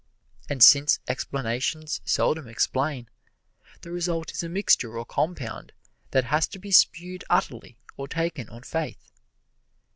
And since explanations seldom explain, the result is a mixture or compound that has to be spewed utterly or taken on faith.